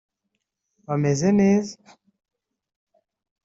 bameze neza